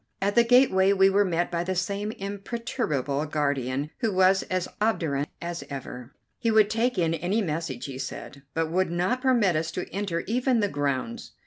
At the gateway we were met by the same imperturbable guardian, who was as obdurate as ever. He would take in any message, he said, but would not permit us to enter even the grounds. Mr.